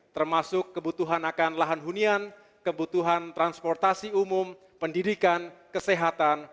termasuk kebutuhan akan lahan hunian kebutuhan transportasi umum pendidikan kesehatan